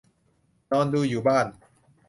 นอนดูอยู่บ้าน